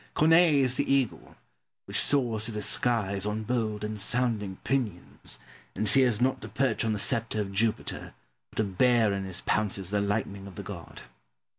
Corneille is the eagle, which soars to the skies on bold and sounding pinions, and fears not to perch on the sceptre of Jupiter, or to bear in his pounces the lightning of the god.